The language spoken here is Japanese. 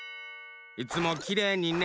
いつもきれいにね。